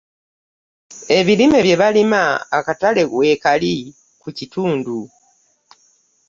Ebirime bye balima akatale weekali ku kitundu.